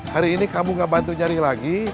hari ini kamu gak bantu nyari lagi